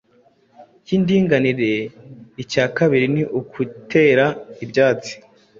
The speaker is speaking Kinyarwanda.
yindinganire. Icya kabiri ni ugutera ibyatsi